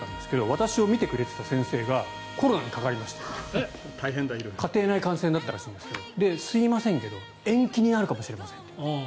私を診てくれてた先生がコロナにかかりまして家庭内感染だったらしいんですけどすいませんけど延期になるかもしれませんって。